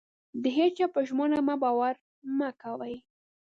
د هيچا په ژمنو مه باور مه کوئ.